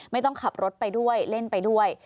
ไม่ต้องขับรถไปด้วยเล่นไปด้วย